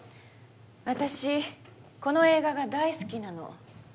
私この映画が大好きなの。